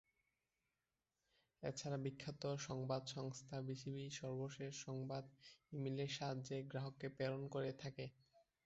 এছাড়াও বিখ্যাত সংবাদ সংস্থা বিবিসি সর্বশেষ সংবাদ ই-মেইলের সাহায্যে গ্রাহককে প্রেরণ করে থাকে।